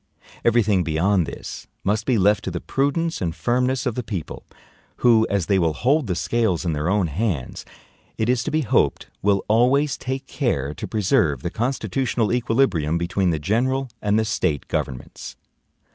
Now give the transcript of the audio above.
Every thing beyond this must be left to the prudence and firmness of the people; who, as they will hold the scales in their own hands, it is to be hoped, will always take care to preserve the constitutional equilibrium between the general and the State governments.